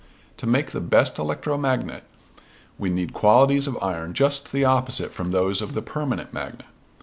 To make the best electromagnet we need qualities of iron just the opposite from those of the permanent magnet.